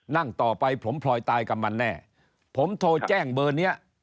นั่งต่อไปผมพลอยตายกับมันแน่ผมโทรแจ้งเบอร์นี้